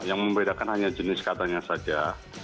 yang membedakan hanya jenis katanya saja